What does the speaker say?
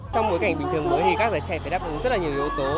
trong bối cảnh bình thường mới thì các giải trẻ phải đáp ứng rất là nhiều yếu tố